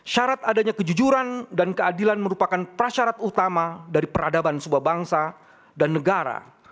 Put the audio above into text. syarat adanya kejujuran dan keadilan merupakan prasyarat utama dari peradaban sebuah bangsa dan negara